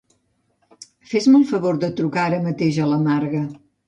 Fes-me el favor de trucar ara mateix a la Marga.